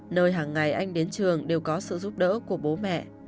nơi hàng ngày anh đến trường đều có sự giúp đỡ của bố mẹ